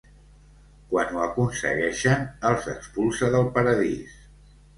Quan ho aconsegueixen els expulsa del Paradís.